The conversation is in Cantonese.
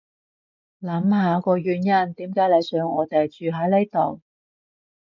諗下個原因點解你想我哋住喺呢度